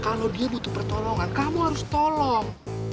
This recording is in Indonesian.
kalau dia butuh pertolongan kamu harus tolong